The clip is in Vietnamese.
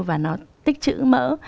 và nó tích trữ mỡ